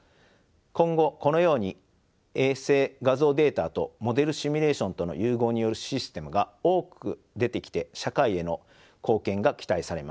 今後このように衛星画像データとモデルシミュレーションとの融合によるシステムが多く出てきて社会への貢献が期待されます。